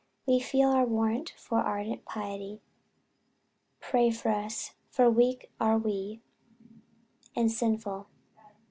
We feel our want of ardent piety.... Pray for us, for we are weak and sinful."